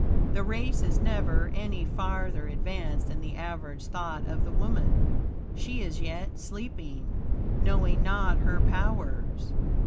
The race is never any farther advanced than the average thought of the woman. She is yet sleeping, knowing not her powers.